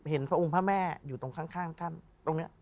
พระองค์พระแม่อยู่ตรงข้างท่านตรงนี้